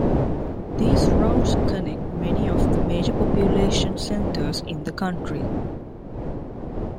These routes connect many of the major population centres in the country.